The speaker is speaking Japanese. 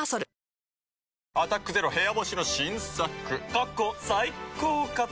過去最高かと。